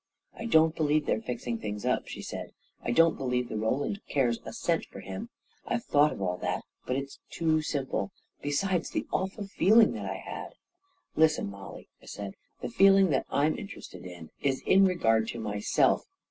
44 1 don't believe they're fixing things up," she said. " I don't believe the Roland cares a cent for him. I've thought of all that — but it's too simple. Besides, the awful feeling I had .•." 44 Listen, Mollie," I said; 4< the feeling that I'm interested in is in regard to myself.